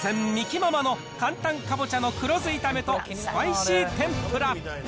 ママの簡単かぼちゃの黒酢炒めとスパイシー天ぷら。